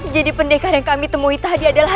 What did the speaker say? jadi pendekar yang kami temui tadi adalah